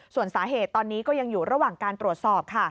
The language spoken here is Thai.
ส่วนสาเหตุตอนนี้ก็ยังอยู่ระหว่างการตรวจสอบค่ะ